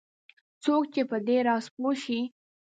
څوک چې په دې راز پوه شي